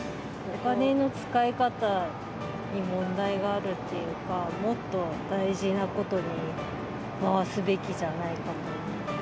お金の使い方に問題があるっていうか、もっと大事なことに回すべきじゃないかと思う。